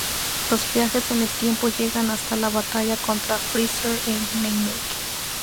Los viajes en el tiempo llegan hasta la batalla contra Freezer en Namek.